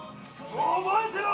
覚えてろ！